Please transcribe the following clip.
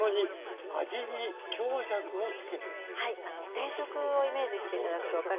定食をイメージして頂くと分かるんですけど